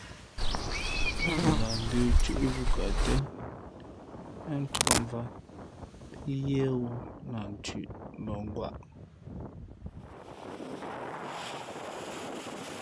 Lah ndə̄ thʉ̄ʼwū kαʼ tén yáá ncāk mvāt pí yěhwú lah nthʉ̄ʼ mbα ngwāʼ.